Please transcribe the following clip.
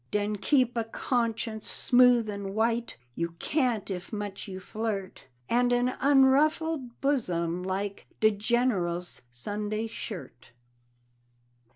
Den keep a conscience smooth and white (You can't if much you flirt), And an unruffled bosom, like De General's Sunday shirt.